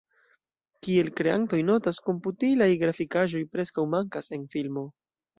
Kiel kreantoj notas, komputilaj grafikaĵoj preskaŭ mankas en filmo.